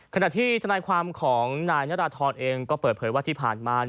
ขณะที่ทนายความของนายนราธรเองก็เปิดเผยว่าที่ผ่านมา